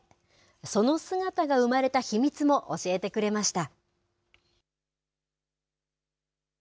その姿が生まれた秘密も教えてくれました。